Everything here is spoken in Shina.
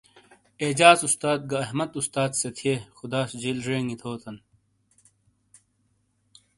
اعجاز استاس گہ احمد استاس سے تھئیے، خداس جیل زینگئ تھو تئی۔